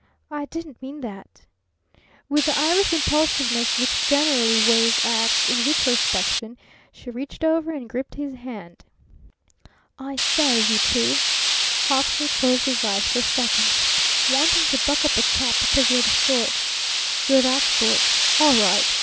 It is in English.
"I didn't mean that!" With the Irish impulsiveness which generally weighs acts in retrospection, she reached over and gripped his hand. "I say, you two!" Hawksley closed his eyes for a second. "Wanting to buck up a chap because you re that sort! All right.